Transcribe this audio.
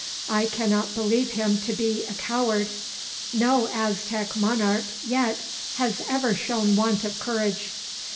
I cannot believe him to be a coward. No Aztec monarch, yet, has ever shown want of courage."